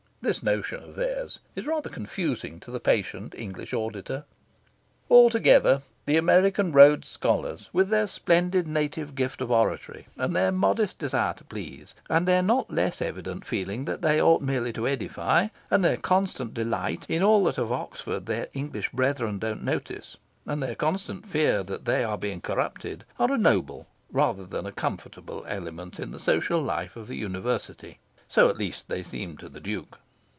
This notion of theirs is rather confusing to the patient English auditor. Altogether, the American Rhodes Scholars, with their splendid native gift of oratory, and their modest desire to please, and their not less evident feeling that they ought merely to edify, and their constant delight in all that of Oxford their English brethren don't notice, and their constant fear that they are being corrupted, are a noble, rather than a comfortable, element in the social life of the University. So, at least, they seemed to the Duke.